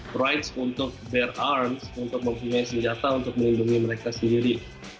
mereka harus memiliki hak untuk memiliki senjata untuk melindungi mereka sendiri